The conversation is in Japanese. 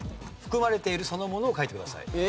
含まれているそのものを書いてください。